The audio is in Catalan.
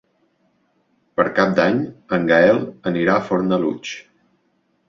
Per Cap d'Any en Gaël anirà a Fornalutx.